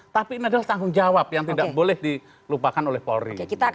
tapi ini adalah tanggung jawab yang tidak boleh dilupakan oleh polri